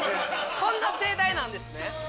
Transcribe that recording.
こんな盛大なんですね。